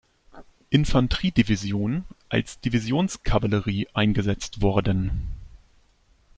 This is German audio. Infanterie-Division als Divisionskavallerie eingesetzt worden.